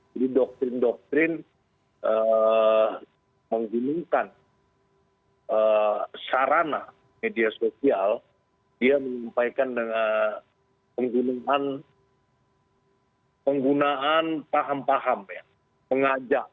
jadi doktrin doktrin menggunakan sarana media sosial dia menyampaikan dengan penggunaan paham paham ya